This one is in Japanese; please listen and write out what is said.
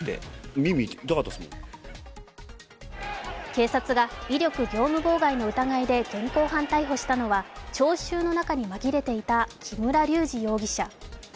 警察が威力業務妨害の疑いで現行犯逮捕したのは聴衆の中にまぎれていた、木村隆二容疑者。